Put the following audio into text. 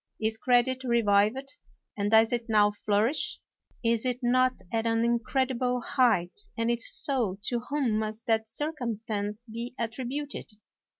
Is credit revived, and does it now flourish? Is it not at an incredible height, and if so, to whom must that circumstance be attrib uted?